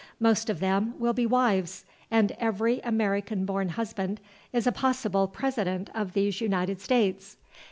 Most of them will be wives, and every American born husband is a possible President of these United States.